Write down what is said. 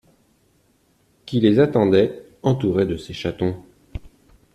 Qui les attendait, entouré de ses chatons.